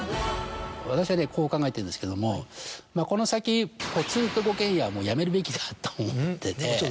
私はねこう考えてるんですけどもこの先ポツンと５軒家はもうやめるべきだと思ってて。